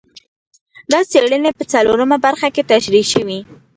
دا څېړنې په څلورمه برخه کې تشرېح شوي دي.